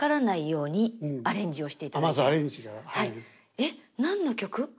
「えっ何の曲？